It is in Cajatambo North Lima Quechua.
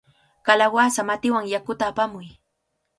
¡Kalawasa matiwan yakuta apamuy!